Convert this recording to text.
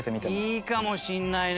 いいかもしれないね！